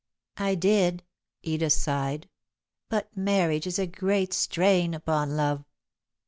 "I did," Edith sighed, "but marriage is a great strain upon love."